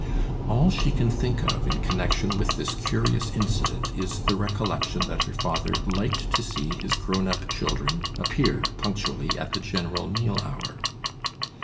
All she can think of in connection with this curious incident is the recollection that her father liked to see his grown up children appear punctually at the general meal hour.